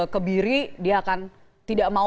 kebiri dia akan tidak mau